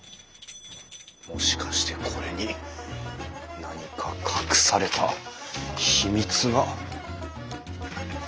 もしかしてこれに何か隠された秘密が？